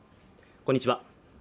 こんにちは